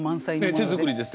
ええ手作りです